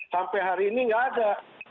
sampai hari ini nggak ada